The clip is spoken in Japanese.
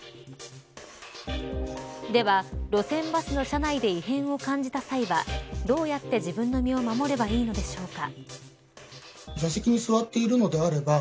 では路線バスの車内で異変を感じた際はどうやって自分の身を守ればいいのでしょうか。